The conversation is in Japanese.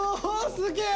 すげえ！